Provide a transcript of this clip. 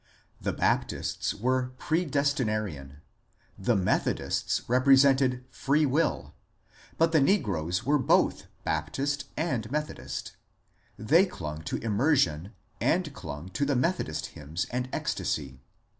The Bap tists were predestinarian, the Methodists represented Free Will, but the negroes were both Baptist and Methodist; they clung to immersion and clung to the Methodist hymns and ecstasy.